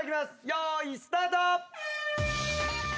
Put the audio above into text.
よーいスタート！